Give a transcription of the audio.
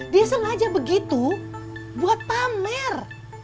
dia sengaja begitu buat pamer